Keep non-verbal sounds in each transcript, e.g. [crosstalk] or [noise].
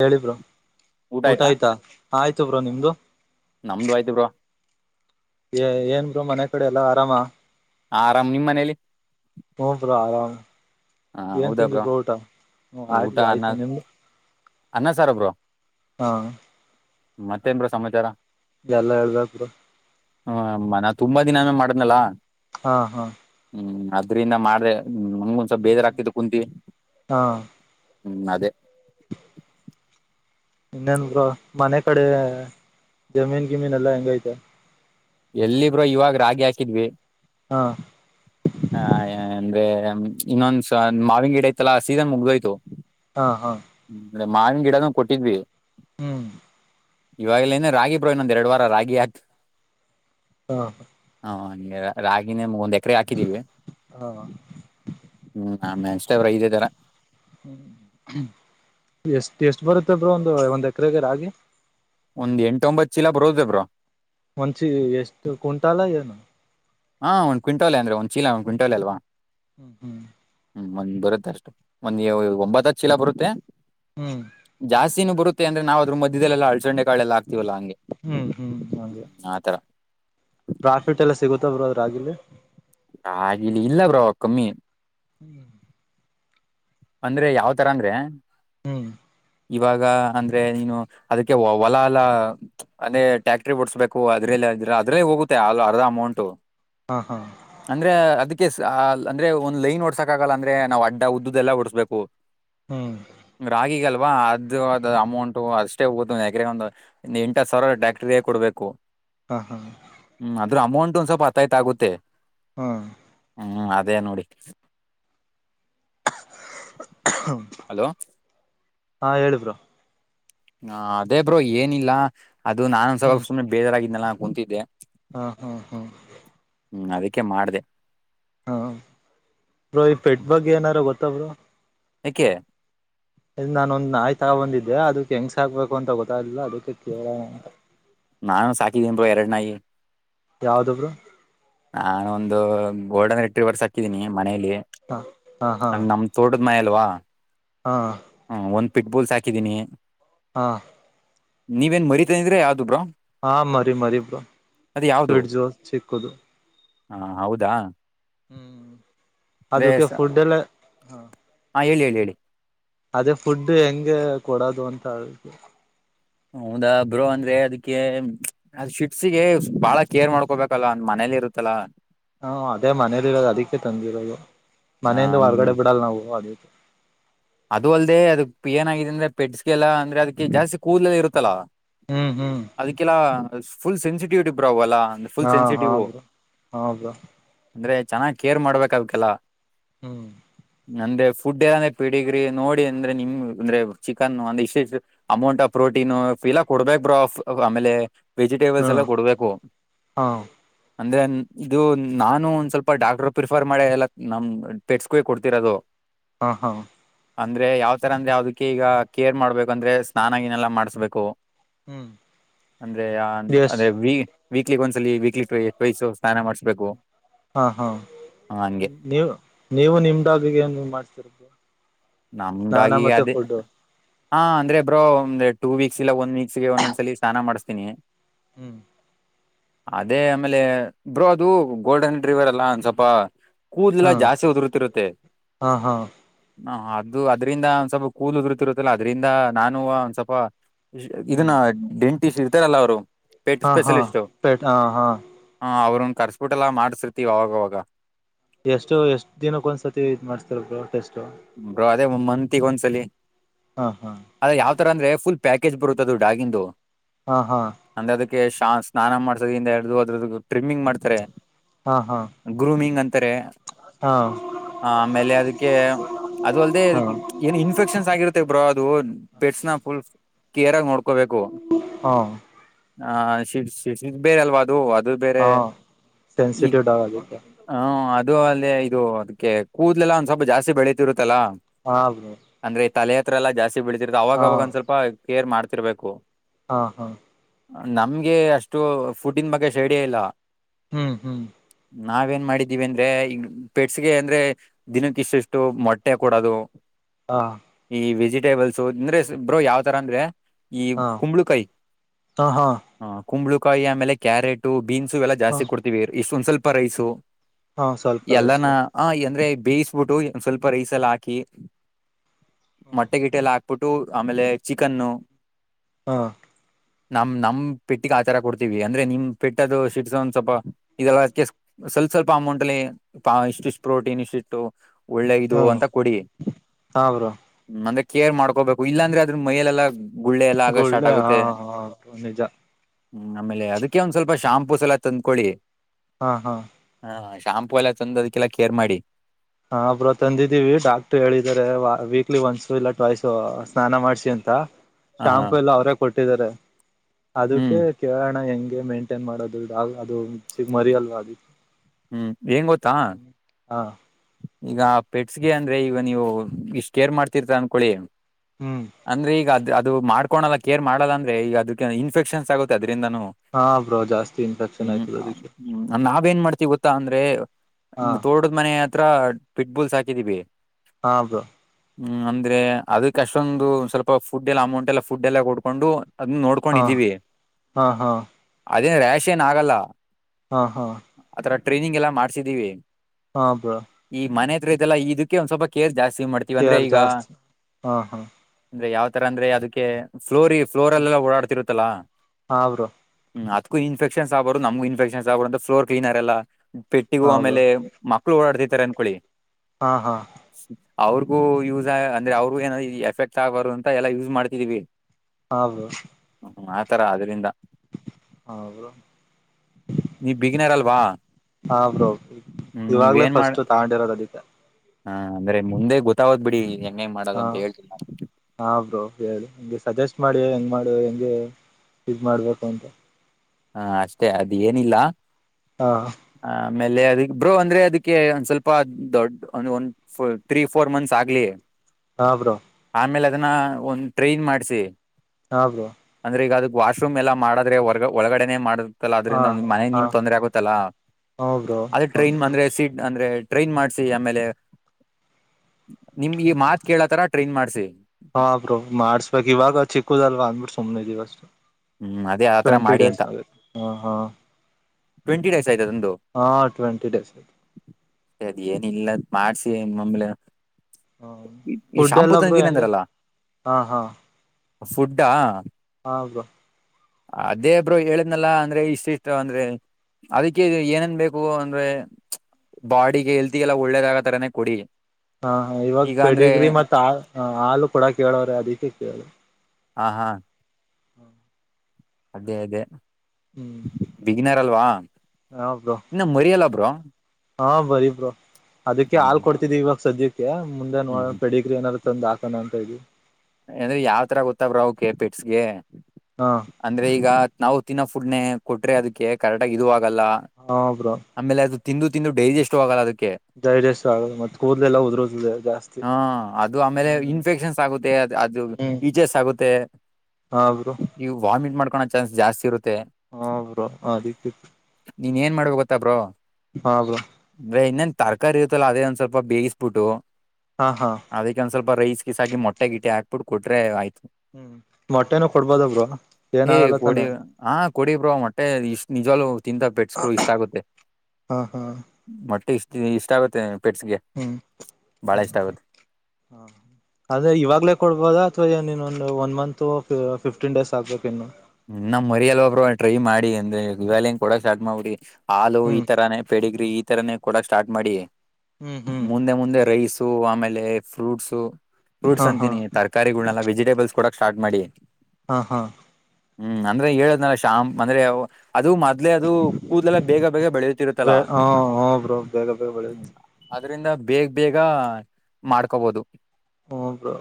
ಹೇಳಿ ಬ್ರೋ ಊಟ ಆಯ್ತಾ ಆಯ್ತು ಬ್ರೋ ನಿಮ್ದು ನಮ್ದು ಆಯ್ತು ಬ್ರೋ ಏ ಏನ್ಬರು ಮನೆ ಕಡೆ ಎಲ್ಲ ಆರಾಮ ಆರಾಮ್ ನಿಮ್ ಮನೇಲಿ ಹ್ಞ ಬ್ರ ಆರಾಮ ಹಾ ಏನ್ ಹೌದಾ ತನ್್ರಿ ಬ್ರೋ ಬ ಊಟ ಹ ಊಟ ಆಯ್ ಅನ್ನ ಆಯ್ತು ನಿಮು ಅನ್ನ ಸಾರ್ ಒಬ್ರು ಹಾ ಮತ್ತೇನ್ರ ಸಮಾಚಾರ ಎಲ್ಲ ಹೇಳ್ಬೇಕ ಕಡ ಹ್ಮ ಅಮ್ಮ ನಾ ತುಂಬಾ ದಿನೇ ಮಾಡಿದ್ನಲ್ಲಾ ಹಾ ಹಾ ಹ್ಮ್ ಅದ್ರಿಂದ ಮಾಡ್ರೆ ನಂಗ ಒಂದ್ಸವಲ್ ಬೇಜಾರ ಹಕಿದ ಕುಂತೀವಿ ಹಾ ಹ್ಮ್ ಅದೇ ಇನ್ನೇನ್ ಗ ಮನೆ ಕಡೆ ಜಮೀನ್ ಗಿಮೀನ್ ಎಲ್ಲಾ ಹೆಂಗ ಐತೆ ಎಲ್ಲಿಬ್್ರರು ಇವಾಗ ರಾಗಿ ಹಾಕಿದ್ವಿ ಹಾ ಆ ಅಂದ್ರೆ ಇನ್ನೊಂದ್ ಮಾವಿಂಗ ಗಿಡ ಐತಲ್ಲ ಸೀಸನ್ ಮುಗ್ದೋಯ್ತು ಹಾ ಹಾ ಅಂದ್ರೆ ಮಾವನ್ ಗಿಡನುೂ ಕೊಟ್ಟಿದ್ವಿ ಹ್ಮ್ ಇವಾಗಲ ಏನೇ ರಾಗಿ ಬ್ರೋ ನೊಂದ್ ಎರಡ್ ವಾರ ರಾಗಿ ಆಯ್ತು ಹಾ ಹಾ ಹಾಗೆ ರಾಗಿನೇ ಒಂದ್ ಎಕರೆ ಹಾಕಿದೀವಿ ಹಾ ಹ್ಮ್ ನ ಮ್ಯಾನ್ಸ್ ಅವ್ರ ಇದೇ ತರ ಮತ್ತೊಬ್ರು ಒಂದು ಒಂದ್ ಎಕರೆಗ ರ ಆಗಿ ಒಂದ್ ಎಂಟೊಂಬತ್ತು ಚೀಲ ಬರೋದೇಬ್ರ ಮಂಸ ಎಷ್ಟು ಕುಂಟಾಲ ಏನು ಹಾ ಒಂದ್ವಿಂಟಲ್ ಅ್ರೆ ಒಂದ್ ಚೀಲ ಒಂದ್ವಿಂಟಲ್ ಅಲ್ವಾ ಹ್ಮ್ ಹ್ಮ್ ಹ್ಮ್ ಒಂದ್ ಬರುತ್ತೆ ಅಷ್ಟು ಒಂದ್ ಒಂಬತ್ತತ್್ ಚೀಲ ಬರುತ್ತೆ ಹ್ಮ್ ಜಾಸ್ತಿನೂ ಬರುತ್ತೆ ಅಂದ್ರೆ ನಾವವು ಅದ್ರ ಮಧ್ಯದಲ್ಲ ಅಳ್ಚೊಂಡೆ ಕಾಳೆಲ್ಲ ಆಗ್ತೀವಲ್ಲ ಹಂಗೆ ಹ್ಮ್ ಹ್ಮ್ ಹಾಗೆ ಪ್ರಾಫಿಟ್ ಎಲ್ಲ ಸಿಗುತ್ತ ಬ್ರ ಅದ್ರಾಗಿಲಿ ಹಾಗಾಗಿಲಿ ಇಲ್ಲ ಬ್ರೋ ಕಮ್ಮಿ ಹ್ಮ ಅಂದ್ರೆ ಯಾವ ತರ ಅಂಗ್ರೆ ಹ್ಮ್ ಇವಾಗ ಅಂದ್ರೆ ನೀನು ಅದಕ್ಕೆ ಹೊಲ ಹೊಲ ಅದೇ ಟ್ಯಾಕ್ಟ್ರಿ ಬಡಸ್ಬೇಕು ಅದ್ರಲ್ಲ್ರ ಅದ್ರಲ್ಲಿ ಹೋಗುತ್ತೆ ಅ ಅರ್ಧ ಅಮೌಂಟು ಹಾ ಹಾ ಅಂದ್ರೆ ಅದಕಸ ಅಂದ್ರೆ ಒಂದ್ೈನ್ ಓಡ್ಸಕ್ ಆಗಲ್ಲ ಅಂದ್ರೆ ನಾವ್ ಅಡ್ಡ ಉದ್ದ ಎಲ್ಲಾ ಓಡಸ್ಬೇಕು ಹ್ಮ್ ರಾಗಿಗಲ್ವಾ ಅದು ಅದು ಅಮೌಂಟು ಅಷ್ಟು ಅಷ್ಟೇ ಹೋಗುದು ಯಾಕ್ರೆ ಒಂದು ಎಂಟ ಸಾವಿರ ಡಾಕ್ಟರಿಯೇ ಕೊಡ್ಬೇಕು ಹಾ ಹಾ ಹ್ಮ್ ಅದ್ರ ಅಮೌಂಟ್ ಒಂದ್ ಸ್ವಲ್ಪ ಹತ್ತೈತ ಆಗುತ್ತೆ ಹ್ಮ ಹ್ಮ್ ಅದೇ ನೋಡಿ ಹ ಹಲೋ ಹಾ ಹೇಳಬರು ಹ ಅದೇ ಬ್ರೋ ಏನಿಲ್ಲ ಅದು ನಾನೊಂದಸವ ಹ್ಮ್ ಸುಮ್ಮ್ನೆ ಬೇಜಾರಾಗಿದ್ದನಲ್ಲ ಅ ಕುಂತಿದ್ದೆ ಹಾ ಹಾ ಹಾ ಹ್ಮ್ ಅದಕ್ಕೆ ಮಾಡ್ದ ಹಾ ಬೋ ಈ ಪೆಟ್ ಬಗ್ಗೆ ಏನಾರು ಗೊತ್ತಬ್ರ ಎಕ್ಕೆೆ. ಇ ನಾನೊಂದ್ ನಾಯಿ ತಗೊ ಬಂದಿದ್ದೆ ಅದಕ್ಕೆ ಹೆಂಗ್ ಸಾಕ್ಬೇಕು ಅಂತ ಗೊತ್ತಾಗ್ಲಿಲ್ಲ ಅದಕ್ಕೆ ಕೇಳಣ ಅಂತ. ನಾನು ಸಾಕಿದೀನ್ಬ್ರೋ ಎರಡ್ ನಾಯಿ. ಯಾವ್ದೊ ಬ್ರೋ. ನಾನು ಒಂದು ಗೋಲ್ಡನ್ ರೆಟ್ರಿ ವರ್ಸ್ ಹಾಕಿದೀನಿ ಮನೇಲಿ. ಹಾ ಹಾ [inaudible] ಹಾ ಅ ನಮ್ ತೋಟದ ಮಯ ಅಲ್ವಾ. ಹಾ. ಹಾ ಒಂದ್ ಪಿಟ್ಬೋಲ್ಸ್ ಹಾಕಿದಿನಿ. ಹಾ. ನೀವೇನ್ ಮರೀತಾಯಿದ್ರಿ ಅದು ಬ್ರೊ. ಹಾ ಮರಿ ಮರಿ ಬ್ರೊ ಸ್ಟ್ ಜೋಸ್ ಚಿಕ್ಕುದು. ಹಾ ಹೌದಾ. ಹ್ಮ್ ಅಂದ್ರೆ ಅದಕ್ಕೆ ಫುಡ್ ಎಲ್ಲ ಹ. ಹಾ ಹೇಳಿ ಹೇಳಿ ಹೇಳಿ. ಅದೇ ಫುಡ್ ಹೆಂಗೆ ಕೊಡದು ಅಂತ. ಹೌದಾ ಬ್ರೋ ಅಂದ್ರೆ ಅದಕ್ಕೆ [inaudible] ಅದ್ ಫಿಟ್ಸಿಗೆ ಫಿ ಬಾಳ ಕೇರ್ ಮಾಡ್ಕೊಬೇಕಲ್ಲ ಅಂದ್ ಮನೇಲಿ. ಎಲ್ಲಿ ಇರುತ್ತಲಾ. ಹ್ಮು ಅದೇ ಮನೇಲಿರೋದ್ ಅದಕ್ಕೆ ತಂದಿರೋದು ಆ ಮನೆಯಿಂದ ಹೊರ್ಗಡೆ ಬಿಡಲ್ ನಾವು ಅದಿಕೆ. ಅದು ಅಲ್ಲದೆೇ ಅದಕ್ ಪಿ ಏನಾಗಿದೆ ಅಂದ್ರೆ ಪೆಡ್ಸ್ಗೆಲ್ಲ ಅಂದ್ರೆ ಅದಕ್ಕೆ ಜಾಸ್ತಿ ಕೂದ್ಲೆಲ್ಲ ಇರುತ್ತಲ್ಲಾ. ಹ್ಮ್ ಹ್ಮ್ ಅದಕ್ಕೆಲ್ಲ ಸ್ ಫುಲ್ ಸೆನ್ಸಿಟಿವಿಟಿ ಬ್ರೊ ಅವಲ್ಲಾ. ಅಂಗ್ ಫುಲ್ ಹಾ ಹಾ ಸೆನ್ಸಿಟಿವು. ಬ್ರೋ ಹಾ ಬ್ರೋ ಅಂದ್ರೆ ಚೆನ್ನಾಗ್ ಕೇರ್ ಮಾಡ್ಬೇಕ್ ಅವ್ಕೆಲ್ಲ. ಹ್ಮ್. ನಂದೆ ಫುಡೇನಿಕ್ ಪೀಡಿಗ್ರಿ ನೋಡಿ ಅಂದ್ರೆ ನಿಮ್ಮ್ ಅ ಅಂದ್ರೆ ಚಿಕನ್ನು ಅಂದೆ ಇಷ್ಟ್ ಎಷ್ಟ್ ಅಮೌಂಟ್ ಆಫ್ ಪ್ರೋಟೀನೂ ಫಿಲ್ಲಾ ಕೊಡ್ಬೇಕ್ ಬ್ರೊಫ್ ಅಬ್ ಆಮೇಲೆ ಹಾ ವೆಜಿಟೇಬಲ್ಸ್ ಎಲ್ಲ ಕೊಡ್ಬೇಕು. ಹಾ ಅಂದ್ರೆ ಮ್ಮ್ ಇದು ನಾನು ಒಂದ್ ಸ್ವಲ್ಪ ಡಾಕ್ಟರ್ ಪ್ರಿಫರ್ ಮಾಡೆ ಎಲ್ಲ ನಮ್ ಅಡ್ ಪೆಟ್ಸ್ಕೆ ಕೊಡ್ತಿರದು. ಹಾ ಹಾ. ಅಂದ್ರೆ ಯಾವ್ ತರ ಅಂದ್ರೆ ಅದುಕ್ಕೆ ಈಗ ಕೇರ್ ಮಾಡ್ಬೇಕಂದ್ರೆ ಸ್ನಾನ ಗಿನ ಎಲ್ಲಾ ಮಾಡ್ಸ್ಬೇಕು. ಹ್ಮ್ ಅಂದ್ರೆ ಆನ್ ಎಸ್ ಅದೆ ವೀ ವೀಕ್ಲಿ ಒಂದ್ಸಲಿ ವೀಕ್ಲಿ ಟೈ ಟೈಸು ಸ್ನಾನ ಮಾಡ್ಸ್ಬೇಕು. ಹಾ ಹಾ. ನೀವು ನೀವು ನಿಮ್ ಡಾಗಿ ಏನ್ ಮಾಡ್ಸ್ತೀರ. ನಮ್ಮ್ ಡಾಗಿ ಅದೇ. ಹಾ ಅಂದ್ರೆ ಬ್ರೊ ಒಂದೆ ಟೂ ವೀಕ್ಸ್ ಇಲ್ಲ ಒಂದ್ ವೀಕ್ಸಿಗೆ ಒಂದೊಂದ್ಸಲಿ ಸ್ನಾನ ಮಾಡ್ಸ್ತಿನೀ. ಹ್ಮ್. ಅದೇ ಆಮೇಲೆ ಬ್ರೋ ಅದು ಗೋಲ್ಡನ್ ಡ್ರಿವರ್ ಅಲ ಅಂದ್ ಸಪ್ಪಾ. ಕೂದ್ಲೆಲ್ಲ ಹಾ ಜಾಸ್ತಿ ಉದುರ್ತಿರುತ್ತೆ. ಹಾ ಹಾ ಹ ಅದು ಅದ್ರಿಂದ ಒಂದ್ ಸಪ್ಪ ಕೂದ್ಲು ಉದುರುತಿರುತ್ತಲ್ಲ ಅದ್ರಿಂದ ನಾನುವ ಒಂದ್ ಸಪ್ಪ. ಇಶ್ ಡ್ರ್ ಇದನ್ನ ಹ್ಮ್ ಡೆಂಟಿಸ್ಟ್ ಇರ್ತಾರಲ್ಲ ಅವರು. ಪೇಟ್ ಹಾ ಹಾ ಸ್ಪೆಷಲಿಸ್ಟು. ಪೆಟ್ ಹಾ ಹಾ ಹಾ ಅವರುಂ ಕರ್ಸ್ಬುಟೆಲ್ಲ ಮಾಡ್ಸಿರ್ತಿವ್ ಅವಾಗ್ ಅವಾಗ. ಎಷ್ಟು ಎಷ್ಟ್ ದಿನಿಕ್ ಒಂದ್ಸತಿ ಇದ್ ಮಾಡ್ಸ್ತಿರ ಬ್ರೊ ಟೆಷ್ಟು. ಬ್ರೊ ಅದೇ ಮ್ಮ್ ಮಂತಿಗ್ ಒಂದ್ಸಲಿ. ಹಾ ಹಾ. ತರ್ ಅಂದ್ರೆ ಫುಲ್ ಪ್ಯಾಕೇಜ್ ಬರುತ್ತ್ ಅದು ಡಾಗಿಂದು. ಹಾ ಹಾ. ಕ್ಕೆ ಶ ಸ್ನಾನ ಮಾಡ್ಸೋಗಿಂದ ಎಡ್ದು ಅದ್ರುದುಗ್ ಟ್ರಿಮ್ಮಿಂಗ್ ಮಾಡ್ತರೆ. ಹಾ ಹಾ ಗ್ರೂಮಿಂಗ್ ಅಂತರೇ ಹಾ ಆಮೇಲೆ ಅದಕ್ಕೇ. ಅದು ಅಲ್ಲದೆೇ ಹಾ ಹಾ [inaudible] ಏನ್ ಇನ್ಫೆಕ್ಷನ್ಸ್ ಆಗಿರುತ್ತೆ ಬ್ರೋ ಅದು ಪೆಟ್ಸ್ ನ ಫುಲ್ ಕೇರಾಗ್ ನೋಡ್ [unintelligible] ಹಾ. ಹಾ ಶಿಡ್ ಸಿಡ್ ಶಿಡ್ ಬೇರೆ ಅಲ್ವಾ ಅದೂ. ಅದು ಬೇರೆ ಹಾ ಸೆನ್ಸಿಟಿವ್ ಡಾಗ್ ಅದಕ್ಕೆ ಹ. ಇದು ಅಲ್ಲೇ ಇದು ಅದಕ್ಕೆ ಕೂದಲೆಲ್ಲ ಒಂದ ಸ್ವಲ್ಪ ಜಾಸ್ತಿ ಬೆಳೀತಿರುತ್ತಲ್ಲ ಹಾ ಬ್ರೋ ಅಂದ್ರೆ. ತಲೆ ಹತ್ರ ಎಲ್ಲಾ ಜಾಸ್ತಿ ಬೆಳತಿರ್ತ್ತ ಹಾ ಅವವಾಗವಾಗ ಒಂದ್ ಸ್ವಲ್ಪ ಕೇರ್ ಮಾಡ್ತಿರ್ಬೇಕು. ಹಾ ಹಾ. ನಮ್ಗೆ ಅಷ್ಟು ಫುಡ್ನ್ ಬಗ್ಗೆ ಶೇಡಿಯ ಇಲ್ಲ. ಹ್ಮ್ ಹ್ಮ್. ನಾವ ನ್ ಮಾಡಿದೀವಿ ಅಂದ್ರೆ ಈ ಪೆಟ್ಸ್ಗೆ ಅಂದ್ರೆ ದಿನಕ್ಕ ಇಷ್ಟುಷ್ಟು ಮೊಟ್ಟೆ. ಬಟ್ಟೆ ಕೊೂಡೋದು ಹಾ ಈ ವೆಜಿಟೇಬಲ್ಸ್ ಅಂದ್ರೆ ಇಬ್್ರೋ ಯಾವ್ ತರ ಅನ್ೆ. ಈ ಹಾ ಕುಂಬಳಕಾಯಿ ಹಾ ಹಾ ಹ ಕುಂಬಳಕಾಯಿ ಆಮೇಲೆ ಕ್ಯಾರೆಟು. ಬೀನ್ಸು ಎಲ್ಲಾ ಹ ಜಾಸ್ತಿ ಕೊಡ್ತೀವಿ ಇಷ್ಟೊಂದ್ ಸ್ವಲ್ಪ ರೈಸು ಹಾ ಸ್ವಲ್ಪ ಎಲ್ಲಾನ ರೈಸು ಎಂದ್ರೆ. ಬೇಯಿಸಬಿಟ್ಟು ಸ್ವಲ್ಪ ರೈಸಲ್ಲ ಹಾಕಿ ಮೊಟ್ಟೆ ಗಿಟಲ್ಲ ಹಾಕ. ಪುಟ್ಟು ಆಮೇಲೆ ಚಿಕನ್ನು. ಹಾ. ನಮ ನಮ್ ಪೆಟ್ಟಿಗೆ ಆಚಾರ ಕೊಡ್ತೀವಿ ಅಂದ್ರೆ ನಿಮ್ ಪೆಟ್ಟದು ಶಿಡ್ಸೋ ಒಂದ್ ಸ್ವಲ್ಪ ಇದೆಲ್ಲದಕ್ಕೆ. ಸ್ವಲ್ಪ ಸ್ವಲ್ಪ ಅಮೌಂಟ್ ಅಲ್ಲಿ ಇಷ್ಟಿಷ್ಟು ಪ್ರೋಟೀನ್ ಇಷ್ಟಿಷ್ಟು ಒಳ್ಳ. ದು ಹಾ ಅಂತ ಕೊಡಿ ಹಾ ಬ್ರೋ ಅಂದ್ರೆ ಕೇರ್ ಮಾಡ್ಕೋಬೇಕು ಇಲ್ಲಾಂದ್ರೆ ಅದ್ರ ಮೈಲೆಲ್ಲಾ. ಗುಳ್ಳೆ ಎಲ್ಲ ಆಗ ಸ್ಟಾರ್ಟ್ ಗುಳ್ಳೆ ಹಾ ಆಗುತ್ತೆ. ಹಾ ನಿಜ ಹ್ಮ್ ಆಮೇಲೆ ಅದಕ್ಕೆ ಒಂದ್ ಸ್ವಲ್ಪ ಶಾಂಪೂಸ್ ಎಲ್ಲ ತಂದ್ಕೊಳ್ಳಿ. ಹಾ ಹಾ. ಹ ಶಾಂಪು ಎಲ್ಲ ತಂದ ಅದಕ್ಕೆಲ್ಲ ಕೇರ್ ಮಾಡಿ. ಹಾ ಅಬ್ರ ತಂದಿದ್ದೀವಿ ಡಾಕ್ಟ್ರ್ ಹೇಳಿದಿದ್ದಾರೆ ವೀಕ್ಲಿ ಒನ್ಸು ಇಲ್ಲ ಟ್ವೈ್ಸ ಸ್ನಾನ ಮಾಡ್ಸಿ ಅಂತ. ಹ ಹ ಶಾಂಪು ಎಲ್ಲ ಅವರೇ ಕೊಟ್ಟಿದಿದ್ದಾರೆ ಹ್ಮ್ ಅದಕ್ಕೆ ಕೇಳೋಣ ಹೆಂಗ. ಮೇಂಟೈನ್ ಮಾಡೋದು ಅದು ಚಗ ಮರಿ ಅಲ್ವ ಆತ್ತು. ಹ್ಮ್ ಹೆಂಗ ಗೊತ್ತಾ. ಹಾ. ಈಗ ಪೆಟ್ಸ್ಗೆ ಅಂದ್ರೆ ಈಗ ನೀವು ಇಷ್ಟ್ ಕೇರ್ ಮಾಡ್ತಿರ್ತ ಅನ್ಕೊಳಿ. ಹ್ಮ್ ಅಂದ್ರೆ ಈಗ ಅದ್ ಅದು ಮಾಡ್ಕೊಳಲ್ಲ ಕೇರ್ ಮಾಡಲ್ಲ ಅಂದ್ರೆ ಈಗ ಅದಕ್ಕೆ ಇನ್ಫೆಕ್ಷನ್ಸ್ ಆಗುತ್ತ ಅ್ರಿಂದ ಹ್ಮ್ಮ. ಹಾ ಬ್ರೋ ಜಾಸ್ತಿ ಇನ್ಫೆಕ್ಷನ್ ಆಯ್ತದ ಅದಕ್ಕೆ ಏನ್ ಮಾಡ್ತಿವಿ ಗೊತ್ತಾ ಅಂದ್ರೆ ಹಾ ತೋಡದ್ ಮನೆ ಹತ್ರ ಬಿಿಟ್ಬುಲ್ಸ್ ಹಾಕಿದೀವಿ. ಹಾ ಬ್ರೋ. ಹ್ಮ್ ಅಂದ್ರೆ ಅದಕ್ಕೆ ಅಷ್ಟೊಂದು ಸ್ವಲ್ಪ ಫುಡ್ ಎಲ್ಲ ಅಮೌಂಟ್ ಎಲ್ಲ ಫುಡ್ ಎಲ್ಲ ಕೊಡ್ಕೊಂಡು. ಅದನ್ನು ಹಾ ನೋಡ್ಕೊಂಡಿದ್ದೀವಿ ಹಾ ಹಾ ಅದೇನ್ ರ್ಯಾಶ್ ಏನ್ ಆಗಲ್ಲ. ಹಾ ಹಾ. ಆತರ ಟ್ರೈನಿಂಗ್ ಎಲ್ಲ ಮಾಡ್ಸಿದೀವಿ. ಹ ಬ್ರೋ. ಲ್ಲ ಇದಕ್ಕೆ ಒಂದ್ ಸ್ವಲ್ಪ ಕೇರ್ ಜಾಸ್ತಿ ಮಾಡ್ತೀವ ಅಂದ್ರೆ ಕೇರ್ ಈಗ ಜಾಸ್ತಿ ಹಾ ಹಾ ಅಂದ್ರೆ ಯಾವ. ಅಂದ್ರೆ ಅದಕ್ಕೆ ಫ್ಲೋರಿ ಫ್ಲೋರ್ಲ್ಲೆಲ್ಲ ಓಡಾಡ್ತಿರುತ್ತಲ್ಲಾ ಹಾ ಬ್ರೋ ಹ್ಮ. ಇನ್ಫೆಕ್ಷನ್ ಆಗಬಾರದು ನಮಗು ಇನ್ಫೆಕ್ಷನ್ ಆಬಾರ ಅಂತಫಲೋರ್ ಕ್ಲೀನರ್ ಎಲ್ಲೆಟ್ಟಿಗೂ ಹಾ ಬ್ರೋ ಆಮೇಲೆ. ಓಡಡ್ಿದಿದ್ದಾರೆಾರೆ ಅನ್ಕೊಳ್ಳಿ. ಹಾ ಹಾ. ಅವ್ರಿಗೂ ಯೂಸ್ ಅಂದ್ರೆ ಅವ್ರಗೂ ಏನ ಎಫೆಕ್ಟ್ ಆಗ್ಬಾರು ಅಂತ ಎಲ್ಲಾ ಯೂಸ್ ಮಾಡ್ತಿದೀವಿ. ಹ ಬ್ರೋ. ್ಮ ಆತರ ಅದ್ರಿಂದ. ಹಾ ಬ್ರೋ. ನೀ ಬಿಗಿನರ್ ಅಲ್ವಾ ಹ್ಮ. ಇವಾಗಲೇ ಫಸ್ಟ್ ತಗಂಡೊಂಡಿರೋದ ಅದಕ್ಕೆ. ಹಾ ಅಂದ್ರೆ ಮುಂದೆ ಗೊತ್ತಾಗೋದ್ ಬಿಡಿ ಹೆಂಗ ಹೆಂಗ ಮಾಡೋದು ಹಾ ಅಂತ ಹೇಳ್ತಿನಿ ನಾ. ಹಾ ಬ್ರೋ ಹೇಳಿ ಹಗೆ ಸಜೆಸ್ಟ್ ಮಾಡಿ ಹೆಂಗ್ ಮಾಡು ಹೆಂಗೆ ಇ ಮಾಡ್ಬೇಕು ಅಂತ. ಹಾ ಅಷ್ಟೇ ಅದ ಏನಿಲ್ಲ. ಹಾ. ಆಮೇಲೆ ಅದ ಬ್ರೋ ಅಂದ್ರೆ ಅದಕ್ಕೆ ಒಂದ್ ಸ್ವಲ್ಪ ದೊಡ್ ಒಂದ್ ಒಂದ್ ತ್ರೀ ಫೋರ್ ಮಂತ್ಸ್ ಆಗ್ಲಿ ಹಾ ಬ್ರೋ ಆಮೇಲೆ ಅದನ್ನ ಒಂದ್ ಟ್ರೈನ್ ಮಾಡಿಸಿ ಹಾ ಬ್ರೋ ಈಗ ಅದಕ್ ವಾಶ್ರೂಮ್ ಎಲ್ಲ ಮಾಡಿದ್ರೆ ಒಳಗಡೆನೆ ಮಾಡ ಲ್ಲ ಹಾ ಅದ್ರಿಂದ ಮನೆ ಹಾ ನಿಮ್ ತೊಂದರೆ ಆಗುತ್ತಲ್ಲ ಹಾ ಬ್ರೋ ಅದೇ ಟ್ರೈನ್ ಅಂದ್ರೆ ಸೀಟ್ ಅಂದ್ರೆ ಟ್ರೈನ್ ಮಾಡ್ಸಿ ಆಮೇಲೆ ನಿಮ್ಗೆ ಮಾತ್ ಕೇಳತರ ಟ್ರೈನ್ ಮಾಡ್ಸಿ ಹಾ ಬ್ರೋ ಮಾಡ್ಸ್ಬೇಕ್ ಇವಾಗ ಚಿಕ್ಕದಲ್ವಾ ಅಂದ್ಬಿಟ್ಟು ಸುಮ್ನೆ ಇದೀವಿ ಅಷ್ಟೇ ಹ್ಮ್ ಅದೇ ಆತರ ಟ್ವೆಂಟಿ ಮಾಡಿ ಡೇಸ್ ಅಂತ ಆಗುತ್ತೆ ಹಾ ಹಾ ಟ್ವೆಂಟಿ ಡೇಸ್ ಅದು ಒಂದು ಹಾ ಟ್ವೆಂಟಿ ಡೇಸ್ ಆಯ್ತು ಅದ ಏನಿಲ್ಲ ಮಾಡ್ಸಿ ಮಾಮೂಲಿ ಹ್ಮ ಫುಡ್ ಎಲ್ಲ ಬ್ರೋ ಹೆಂಗ ಹಾ ಹಾ ಫುಡ್ಡ ಹಾ ಹಾ ಬ್ರೋ ಅದೇ ಬ್ರೋ ಹೇಳಿದ್ನಲ್ಲ ಅಂದ್ರೆ ಇಷ್ಟ ಇಷ್ಟ ಅಂದ್ರೆ ಅದಕ್ಕೆ ಏನೇನ್ ಬೇಕು ಅಂದ್ರೆ ಬಾಡಿಗೆ ಹೆಲ್ತ್ಗೆಲ್ಲ ಒಳ್ಳೇದು ಆಗತರನೇ ಕೊಡಿ ಹಾ ಹ ಇವಾಗ ಈಗ ಅಂದ್ರೆ ಪೆಡಿಗ್ರಿ ಮತ್ ಆ ಹಾಲು ಕೂಡಕ್ಕೆ ಹೇಳವ್ರೆ ಅದಕ್ಕೆ ಕೇಳಿ ಹಾ ಹಾ [inaudible] ಅದೇ ಅದೇ ಹ್ಮ್ ಬೆಗಿನ್ನರ್ ಅಲ್ವಾ ಹಾ ಬ್ರೋ ಇನ್ನು ಮರಿ ಅಲ್ವಾ ಬ್ರೋ ಹಾ ಮರಿ ಬ್ರೋ ಅದಕ್ಕೆ ಹ್ಮ್ ಹಾಲು ಕೊಡ್ತಿದೀವಿ ಇವಾಗ ಸದ್ಯಕ್ಕೆ ಅ ಮುಂದೆ ನೋ ಹ್ಮ್ ಪೆಡಿಕ್ರ ಏನಾರು ತಂದು ಹಾಕಣ ಅಂತ ಇದು ಅಂದ್ರೆ ಯಾವ್ ತರ ಗೊತ್ತ ಬ್ರೋ ಅ ಪೆಟ್ಸ್ ಗೇ ಹಾ ಅಂದ್ರೆ ಈಗ ನಾವು ತಿನ್ನೋ ಫುಡ್ನ ಕೊಟ್ರೆ ಅದಕ್ಕೆ ಕರೆಕ್ಟ್ ಹಾಗಿ ಇದು ಆಗಲ್ಲ ಹಾ ಬ್ರೋ ಆಮೇಲೆ ಅದು ತಿಂದು ತಿಂದು ಡೈಜೆಸ್ಟ್ ಆಗಲ್ಲ ಅದಕ್ಕೆ ಡೈಜೆಸ್ಟ್ ಆಗಲ್ಲ ಮತ್ ಕೂದಲೆಲ್ಲ ಉದುರುತ್ತದೆ ಜಾಸ್ತಿ ಕೇ ಅದು ಆಮೇಲೆ ಹ್ಮ್ ಇನ್ಫೆಕ್ಷನ್ ಆಗುತ್ತೆ ಅದು ಹ್ಮ್ ಈಚೆಸ್ ಆಗುತ್ತೆ ಹಾ ಬ್ರೋ ನೀವು ವಾಮಿಟ್ ಮಾಡ್ಕೊ ಚಾನ್ಸ್ ಜಾಸ್ತಿ ಇರುತ್ತೆ ಹು ಬ್ರೋ ಅದಕ್ಕೆ ನೀನ್ ಏನ್ ಮಾಡು ಗೊತ್ತಾ ಬ್ರೋ ಹಾ ಬ್ರೋ ಬೆ ಇನ್ನೇನ್ ತರಕಾರಿ ಇರುತ್ತಲ್ಲ ಅದೇ ಒಂದ್ ಸ್ವಲ್ಪ ಬೇಯಿಸ್ಬಿಟ್ಟು ಹಾ ಹಾ ಅದಕ್ಕೆ ಒಂದ ಸ್ವಲ್ಪ ರೈಸ್ ಗಿಸಿ ಮೊಟ್ಟೆ ಗಿಟ್ಟೆ ಹಾಕಿಬಿಟ್ಟು ಕೊಟ್ರೆ ಆಯ್ತು ಹ್ಮ್ ಮೊಟ್ಟೆನೂ ಕೊಡ್ಬೋದ ಬ್ರೋ ಏನ ಹೇ ಆಗಲ್ಲ ಕೊಡಿ ತಾನೆ ಹಾ ಕೊಡಿ ಬ್ರೋ ಮಟ್ಟೆ ಇಷ್ಟ ನಿಜಲುೂ ತಿಂತಾರೆ ಪೆಟ್ಸ್ ಇಷ್ಟ ಆಗುತ್ತೆ ಹಾ ಹಾ ಮೊಟ್ಟೆ ಇಷ್ಟ ಇಷ್ಟ ಆಗುತ್ತೆ ಪೆಟ್ಸ್ಗೆ ಹ್ಮ್ ಬಾಳ ಇಷ್ಟ ಆಗುತ್ತೆ ಹ್ಮ ಹ ಆದ್ರೆ ಇವಾಗ್ಲೆೇ ಕೊಡ್ಬೋದಅಥವಾ ಇನ್ನೊಂದು ಒನ್ ಮಂತು ಫ್ಟೀನ್ ಡೇಸ್ ಆಗ್ಬೇಕು ಇನ್ನು ನಮ್ ಮರಿ ಅಲ್ವಬ್ರು ಟ್ರೈ ಮಾಡಿ ಅಂದ್ರೆ ಇವಾಗಿಂದ ಕೂಡೋಕೆ ಸ್ಟಾರ್ಟ್ ಮಾಡ್ಬಿಡಿ ಹಾಲು ಈ ಹ್ಮ್ ತರಾನೇ ಪೇಡಿಗರಿ ಈ ತರನೇ ಕೊಡಕ್ಕೆ ಸ್ಟಾರ್ಟ್ ಮಾಡಿ ಹ್ಮ್ ಹ್ಮ್ ಮುಂದೆ ಮುಂದೆ ರೈಸ್ ಆಮೇಲೆ ಫ್ರೂಟ್ಸ ಹಾ ಫ್ರೂಟ್ಸ್ ಹಾ ಅಂತೀನಿ ತರ್ಕಾರಿಗಳನೆಲ್ಲ ವೆಜಿಟೇಬಲ್ಸ್ ಕೂಡಕ್ ಸ್ಟಾರ್ಟ್ ಮಾಡಿ ಹಾ ಹಾ ಹ್ಮ್ ಅಂದ್ರೆ ಹೇಳದ್ನ ಶಾಮ್ ಮನೇಲೆ ಅವು ಅದು ಮೊದ್ಲೆೇ ಅದು ಕೂದಲೆಲ್ಲ ಬೇಗ ಬೇಗ ಬೇ ಬೆಳೆಯುತ್ತಿರುತ್ತಲ್ಲ್ಮ ಹ ಹ ಬ್ರೋ ಬೇಗ ಬೇಗ ಬೆಳೆಯುತ್ತೆ ಆದ್ದರಿಂದ ಬೇಗ ಬೇಗ ಮಾಡ್ಕೋಬಹುದು ಹು ಬ್ರೋ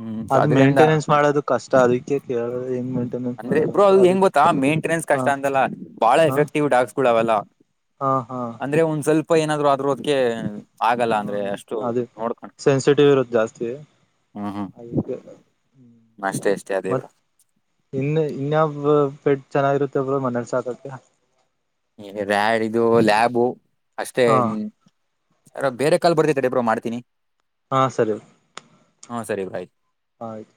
ಹ್ಮ್ ಸೊ ಅದ ಅದ್ರಿಂದ ಮೇಂಟೆನೆನ್ಸ್ ಮಾಡೋದು ಕಷ್ಟ ಅದಕ್ಕೆ ಕೇಳ ಹೆಂಗ ಮೇಂಟೆನೆನ್ಸ್ ಅಂದ್ರೆ ಮಾಡೋದು ಬ್ರೋ ಅಂತ ಅದು ಹೆಂಗ ಅದಕ್ಕೆ ಗೊತ್ತಾ ಮೇಂಟೆನೆನ್ಸ್ ಹ ಕಷ್ಟ ಅಂತಲ್ಲ ಬಾಳ ಹಾ ಎಫೆಕ್ಟಿವ್ ಡಾಕ್ಸ್ಗಳು ಅವಲ್ಲ ಹಾ ಹಾ ಸ್ವಲ್ಪ ಏನಾದರು ಆದ್ರರು ಹ್ಮ ಅದೇ ನೋಡ್ಕೊಂಡ್ ಸೆನ್ಸಿಟಿವ್ ಇರೋದು ಜಾಸ್ತಿ ಹ್ಮ್ ಹ್ಮ್ ಅದಿಕ್ಕೇ ಅಷ್ಟೇ ಅಷ್ಟೇ ಅದೇವರು ಇನ್ನಯಬ್ ಪೆಟ್ ಚೆನ್ನಾಗಿರುತ್ತೆಬ ಮನಲ್ಸಕತ್ತ ರ್ಯಾಡ್ ಇದು ಲ್ಯಾಬು ಅಷ್ಟೇ ಹಾ ಅ ಬೇರೆ ಕಾಲ್ ಬರ್ತೈತೆಡೇಬ್ಬರು ಮಾಡ್ತೀನಿ ಹಾ ಸರಿ ಹಾ ಸರಿ ಬ್ರೋ ಆಯ್ತು ಆಯ್ತು